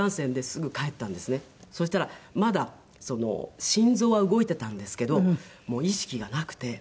そしたらまだ心臓は動いていたんですけどもう意識がなくて。